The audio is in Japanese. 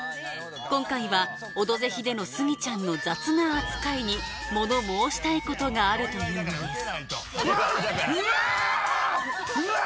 今回は「オドぜひ」でのスギちゃんの雑な扱いにもの申したいことがあると言うのですうわっ！